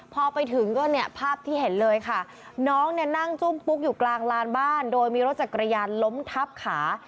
พอไปถึงก็เนี่ยภาพที่เห็นเลยค่ะน้องเนี่ยนั่งจุ้มปุ๊กอยู่กลางลานบ้านโดยมีรถจักรยานล้มทับขา